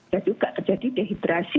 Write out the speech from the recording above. dan juga terjadi dehidrasi